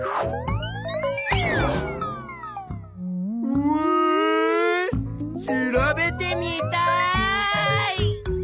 うわ調べてみたい！